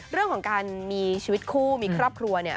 เรื่องของการมีชีวิตคู่มีครอบครัวเนี่ย